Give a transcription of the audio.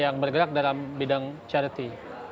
yang bergerak dalam bidang charity